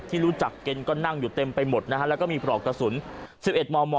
ที่รู้จักเกณฑ์ก็นั่งอยู่เต็มไปหมดนะฮะแล้วก็มีปลอกกระสุน๑๑มม